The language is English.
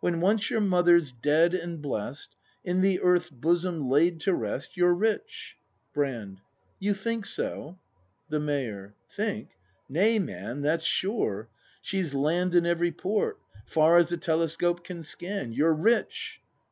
When once your mother's dead and blest. In the earth's bosom laid to rest, You're rich! Brand. You think so ? The Mayor. , Think ? Nay, man^ That's sure. She's land in every port. Far as a telescope can scan. You're rich!